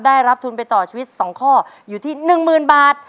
ได้รับทุนไปต่อชีวิต๒ข้ออยู่ที่๑๐๐๐บาท